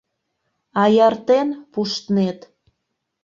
Аяртен пуштнет?